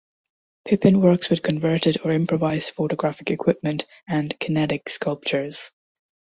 Pippin works with converted or improvised photographic equipment and kinetic sculptures.